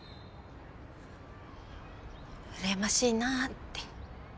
うらやましいなぁって。